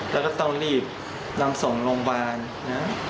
แล้วก็ต้องรีบนำส่งโรงพยาบาลนะ